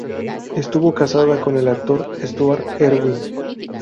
Estuvo casada con el actor Stuart Erwin.